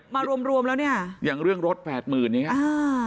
มารวมแล้วเนี่ยอย่างเรื่องรถ๘๐๐๐๐นี่คะ